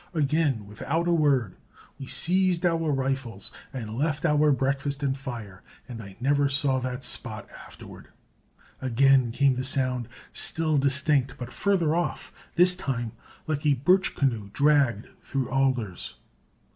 Again. Without a word, we seized our rifles, and left our breakfast and fire, and I never saw that spot afterward. Again came the sound, still distinct, but further off, this time like a birch canoe dragged through alders.